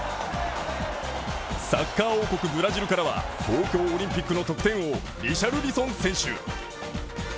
サッカー王国ブラジルからは、東京オリンピックの得点王リシャルリソン選手。